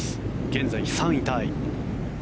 現在３位タイ。